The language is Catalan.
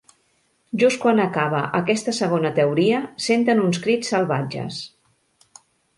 Just quan acaba aquesta segona teoria, senten uns crits salvatges.